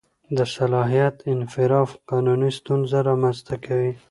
د صلاحیت انحراف قانوني ستونزه رامنځته کوي.